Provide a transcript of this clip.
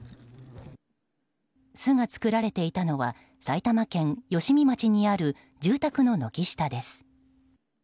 巣が作られていたのは埼玉県吉見町にある住宅の軒下です。